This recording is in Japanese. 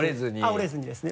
折れずにですね。